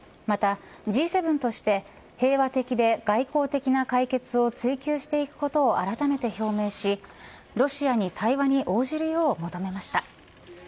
また、Ｇ７として平和的で外交的な解決を追及していくことをあらためて表明しロシアに対話に応じるよう求めました。